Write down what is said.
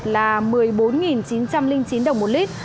dầu hỏa một mươi bốn một trăm tám mươi năm đồng một lit